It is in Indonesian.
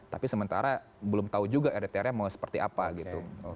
tapi sementara belum tahu juga rdtr nya mau seperti apa gitu